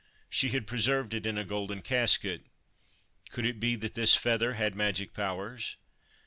She had preserved it in a golden casket. Could it be that this feather had magic powers